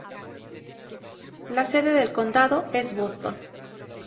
La sede del condado es Boston.